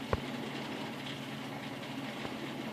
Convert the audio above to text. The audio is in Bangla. তিনি পশ্চিম রণাঙ্গনে কমান্ডার হিসেবে নিয়োজিত হয়েছিলেন।